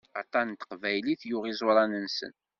Aṭan n teqbaylit yuɣ iẓuran-nsen.